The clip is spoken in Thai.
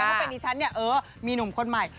เพราะว่าในชั้นเนี่ยเออมีหนุ่มคนใหม่